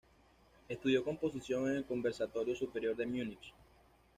Estudió composición en el Conservatorio Superior de Múnich.